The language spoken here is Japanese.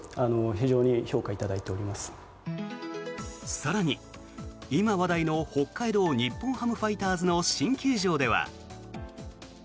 更に、今話題の北海道日本ハムファイターズの新球場では。